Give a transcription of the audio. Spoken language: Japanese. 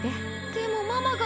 でもママが。